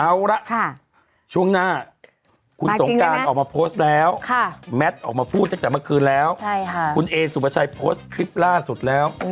เอาละช่วงหน้าคุณสงการออกมาโพสต์แล้วแมทออกมาพูดตั้งแต่เมื่อคืนแล้วคุณเอสุภาชัยโพสต์คลิปล่าสุดแล้ว